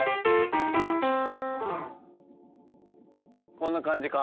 こんな感じか？